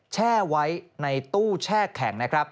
แช่ไว้ในตู้แช่แข็ง